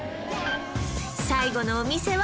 最後のお店は